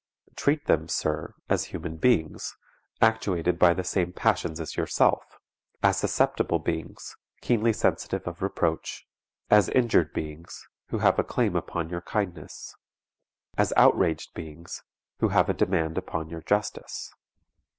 Treat them, sir, as human beings, actuated by the same passions as yourself; as susceptible beings, keenly sensitive of reproach; as injured beings, who have a claim upon your kindness; as outraged beings, who have a demand upon your justice.